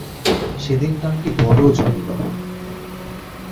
সেদিন গানটি বড়ো জমিল।